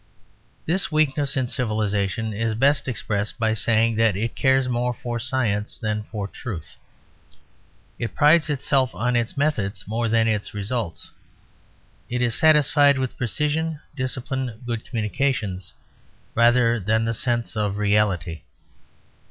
This weakness in civilisation is best expressed by saying that it cares more for science than for truth. It prides itself on its "methods" more than its results; it is satisfied with precision, discipline, good communications, rather than with the sense of reality.